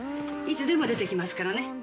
いつでも出ていきますからね。